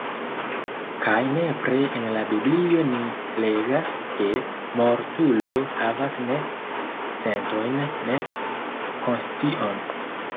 Kaj nepre en la Biblio ni legas ke mortulo havas nek sentojn nek konscion.